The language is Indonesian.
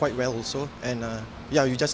jadi ini adalah cara yang ingin kita mainkan